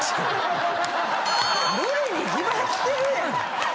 無理に決まってるやん！